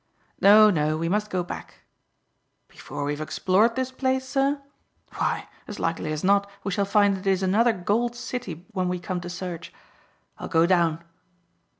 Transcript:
"No, no; we must go back." "Before we've explored this place, sir? Why, as likely as not we shall find it is another gold city when we come to search. I'll go down."